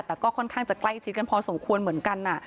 แต่ก็ค่อนข้างจะใกล้ชิดกันพอสมควรเหมือนกัน